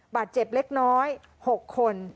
บาดเจ็บเล็กน้อย๖คน